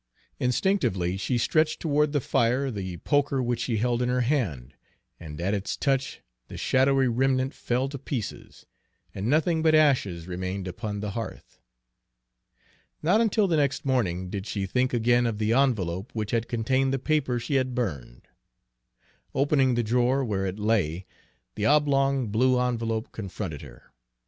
Instinctively she stretched toward the fire the poker which she held in her hand, and at its touch the shadowy remnant fell to pieces, and nothing but ashes remained upon the hearth. Not until the next morning did she think again of the envelope which had contained the paper she had burned. Opening the drawer where it lay, the oblong blue envelope confronted her.